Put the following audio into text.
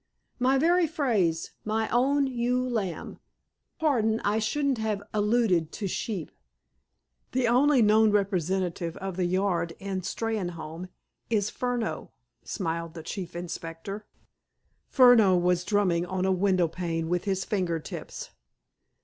"My very phrase—my own ewe lamb. Pardon. I shouldn't have alluded to sheep." "The only known representative of the Yard in Steynholme is Furneaux," smiled the Chief Inspector. Furneaux was drumming on a window pane with his finger tips.